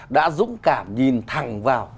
đã dũng cảm nhìn thẳng vào